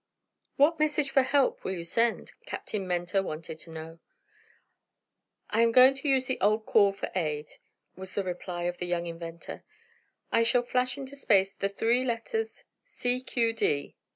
"What message for help will you send?" Captain Mentor wanted to know. "I am going to use the old call for aid," was the reply of the young inventor. "I shall flash into space the three letters 'C.Q.D.'